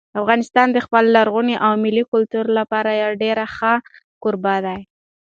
افغانستان د خپل لرغوني او ملي کلتور لپاره یو ډېر ښه کوربه دی.